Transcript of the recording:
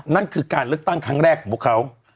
นั่นคือการเลือกตั้งครั้งแรกของพวกเขา